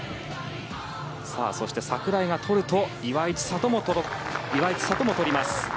そして櫻井が取ると岩井千怜も取ります。